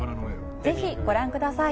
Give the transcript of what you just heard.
ぜひご覧ください